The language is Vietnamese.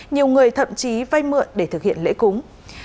nhiều người thậm chí vay mượn để thực hiện lễ cúng